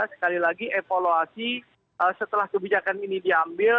sekali lagi evaluasi setelah kebijakan ini diambil